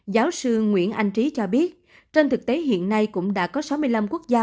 giáo sư nguyễn anh trí cho biết trên thực tế hiện nay cũng đã có sáu mươi năm quốc gia